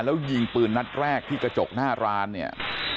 แล้วยิงปืนนัดแรกที่กระจกหน้าร้านเนี่ย